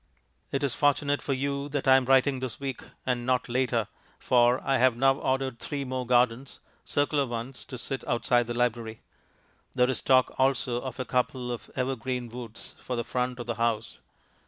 It is fortunate for you that I am writing this week, and not later, for I have now ordered three more gardens, circular ones, to sit outside the library. There is talk also of a couple of evergreen woods for the front of the house.